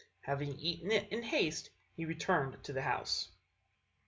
Having eaten it in haste, he returned to the house.